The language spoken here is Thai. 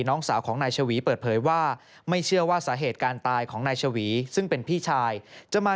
น้องสาวของนายชวีเปิดเผยว่า